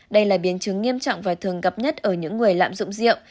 đây là biến chứng nghiêm trọng và thường gặp nhất ở những người lạm dụng rượu